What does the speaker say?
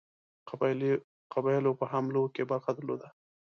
قبایلو په حملو کې برخه درلوده.